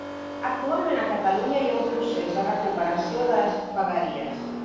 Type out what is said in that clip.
Actualment a Catalunya hi ha un procés de recuperació de les vegueries.